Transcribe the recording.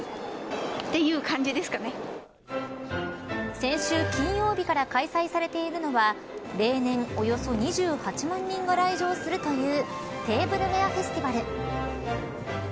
先週、金曜日から開催されているのは例年、およそ２８万人が来場するというテーブルウェア・フェスティバル。